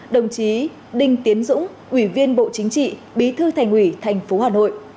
đồng chí đinh tiến dũng ủy viên bộ chính trị bí thư thành ủy thành phố hà nội